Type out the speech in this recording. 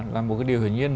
là một cái điều hiển nhiên